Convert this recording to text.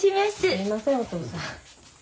すいませんお義父さん。